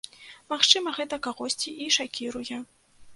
Магчыма, гэта кагосьці і шакіруе.